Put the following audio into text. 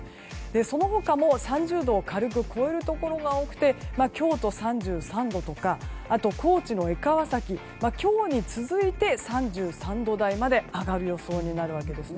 その他も、３０度を軽く超えるところが多くて京都３３度とかあと高知の江川崎、今日に続いて３３度台まで上がる予想になるわけですね。